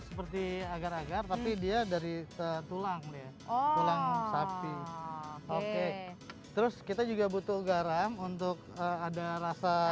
seperti agar agar tapi dia dari setulang ya oh oke terus kita juga butuh garam untuk ada rasa